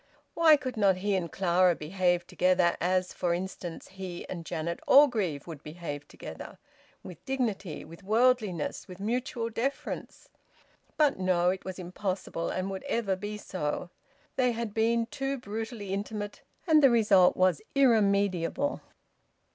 Why could not he and Clara behave together as, for instance, he and Janet Orgreave would behave together, with dignity, with worldliness, with mutual deference? But no! It was impossible, and would ever be so. They had been too brutally intimate, and the result was irremediable.